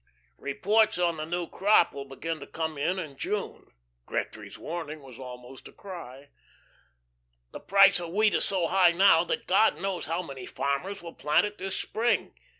"Reports on the new crop will begin to come in in June." Gretry's warning was almost a cry. "The price of wheat is so high now, that God knows how many farmers will plant it this spring.